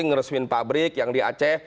ngeresmin pabrik yang di aceh